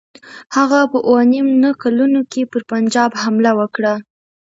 هغه په اووه نیم نه کلونو کې پر پنجاب حمله وکړه.